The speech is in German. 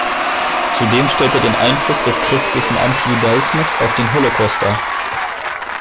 Zudem stellt er den Einfluss des christlichen Antijudaismus auf den Holocaust dar.